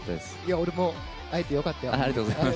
俺も会えてよかったよ。